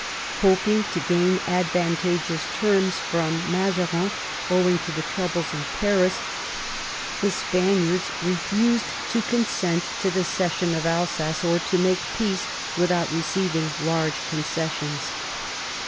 Hoping to gain advantageous terms from Mazarin owing to the troubles in Paris, the Spaniards refused to consent to the cession of Alsace, or to make peace without receiving large concessions.